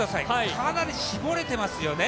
かなり絞れてますよね。